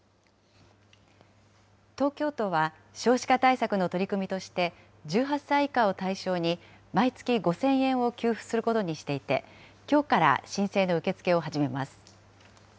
東京都は少子化対策の取り組みとして、１８歳以下を対象に、毎月５０００円を給付することにしていて、きょうから申請の受け付けを始めます。